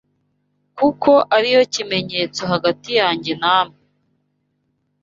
kuko ari yo kimenyetso hagati yanjye namwe